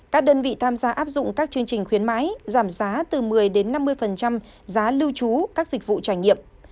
các đơn vị tham gia áp dụng các chương trình khuyến mãi giảm giá từ một mươi năm mươi giá lưu trú các dịch vụ trải nghiệm